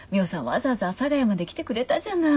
わざわざ阿佐ヶ谷まで来てくれたじゃない。